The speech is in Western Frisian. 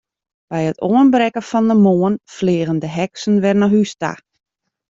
By it oanbrekken fan de moarn fleagen de heksen wer nei hús ta.